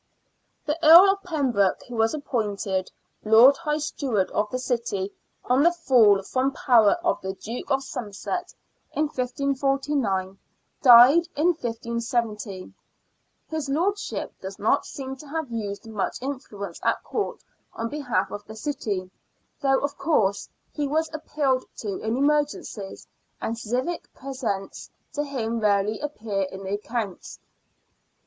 The Earl of Pembroke, who was appointed Lord High Steward of the city on the fall from power of the Duke of Somerset in 1549, ^i^^ i^ I570 I^is lordship does not seem to have used much influence at Court on behalf of the city, though, of course, he was appealed to in emergencies, and civic presents to him rarely appear in the accounts.